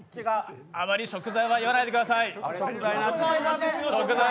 あまり食材は言わないでください。